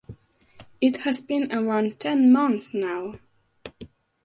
It has been around ten months now.